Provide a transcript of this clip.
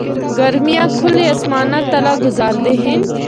گرمیاں کھلے آسمانا تلے گزاردے ہن۔